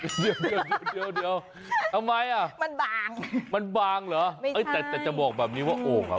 ทำไมอ่ะมันบางมันบางเหรอไม่ใช่แต่แต่จะบอกแบบนี้ว่าโอ่งอ่ะ